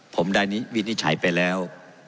ผมได้วินิจฉัยไปแล้ว